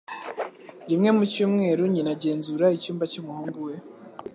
Rimwe mu cyumweru, nyina agenzura icyumba cy'umuhungu we.